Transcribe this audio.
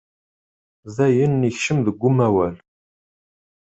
Dayen ikcem deg umawal.